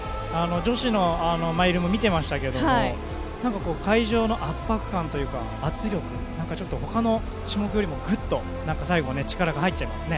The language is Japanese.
女子のマイルも見てましたけど会場の圧迫感というか圧力、他の種目よりもぐっと最後、力が入っちゃいますね。